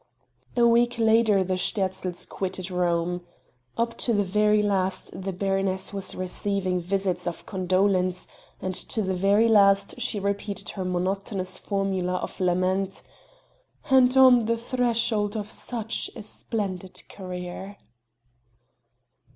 A week later the Sterzls quitted Rome. Up to the very last the baroness was receiving visits of condolence, and to the very last she repeated her monotonous formula of lament: "And on the threshold of such a splendid career!"